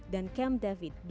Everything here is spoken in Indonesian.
dan camp david dua ribu dua belas